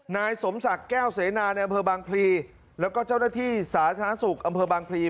นายสมศักดิ์แก้วเสนาในอำเภอบางพลีแล้วก็เจ้าหน้าที่สาธารณสุขอำเภอบางพลี